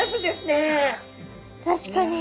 確かに。